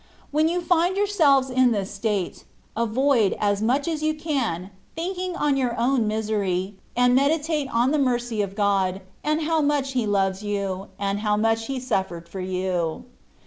When you find yourselves in this state, avoid, as much as you can, thinking on your own misery, and meditate on the mercy of God, and how much He loves you, and how much He suffered for you.